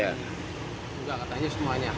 enggak katanya semuanya